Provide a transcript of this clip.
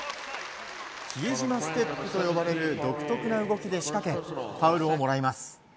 比江島ステップと呼ばれる独特な動きで仕掛けファウルをもらいます。